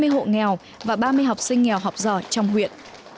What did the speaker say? hai mươi hộ nghèo và ba mươi học sinh nghèo học giỏi trong huyện